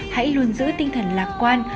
hãy luôn giữ tinh thần lạc quan